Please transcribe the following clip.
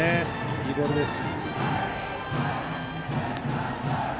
いいボールです。